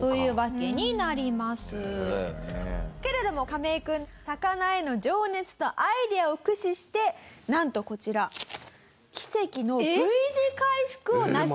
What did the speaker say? けれどもカメイ君魚への情熱とアイデアを駆使してなんとこちら奇跡のＶ字回復を成し遂げたんでございます。